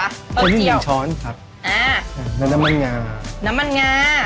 เพิ่มเจียวอันนี้หนึ่งช้อนครับอ่าแล้วน้ำมันงาน้ำมันงา